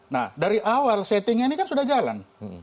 nah dari awal settingnya ini kan sudah jalan